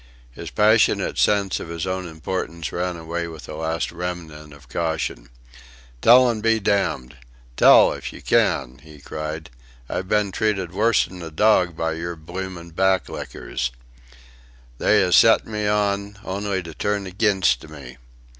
His passionate sense of his own importance ran away with a last remnant of caution. "Tell an' be damned! Tell, if yer can!" he cried. "I've been treated worser'n a dorg by your blooming back lickers. They 'as set me on, only to turn aginst me.